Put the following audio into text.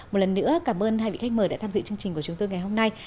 một lần nữa cảm ơn hai vị khách mời đã tham dự chương trình của chúng tôi ngày hôm nay